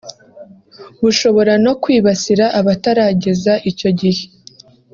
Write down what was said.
bushobora no kwibasira abatarageza icyo gihe